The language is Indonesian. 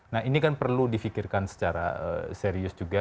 nah ini kan perlu di pikirkan secara serius juga